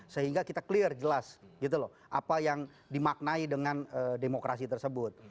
sehingga kita clear jelas gitu loh apa yang dimaknai dengan demokrasi tersebut